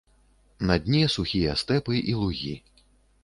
На дне сухія стэпы і лугі.